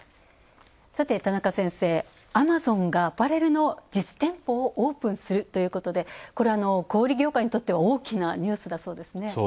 田中先生、アマゾンがアパレルの実店舗をオープンするということで、小売業界にとっては大きなニュースだそうですね。